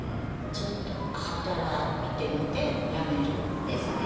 ちょっと働いてみて辞める？ですね。